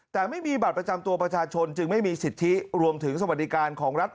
แต่ไม่มีบัตรประจำตัวประชาชนจึงไม่มีสิทธิรวมถึงสวัสดิการของรัฐ